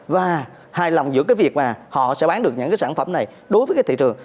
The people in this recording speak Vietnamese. và hài lòng giữa cái việc mà họ sẽ bán được những cái sản phẩm này đối với cái thị trường